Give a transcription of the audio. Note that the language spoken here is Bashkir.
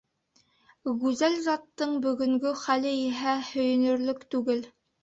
Гүзәл заттың бөгөнгө хәле иһә һөйөнөрлөк түгел.